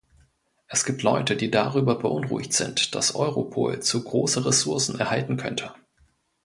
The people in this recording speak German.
Es gibt Leute, die darüber beunruhigt sind, dass Europol zu große Ressourcen erhalten könnte.